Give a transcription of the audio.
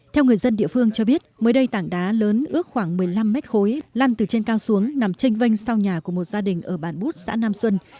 theo người dân địa phương cho biết mới đây tảng đá lớn ước khoảng một mươi năm mét khối lăn từ trên cao xuống nằm tranh vanh sau nhà của một gia đình ở bàn bút xã nam xuân